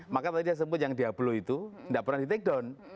maka tadi saya sebut yang diablo itu tidak pernah di take down